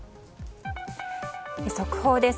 速報です。